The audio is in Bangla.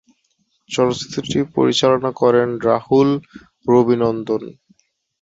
চলচ্চিত্রটি পরিচালনা করেন রাহুল রবিনন্দন।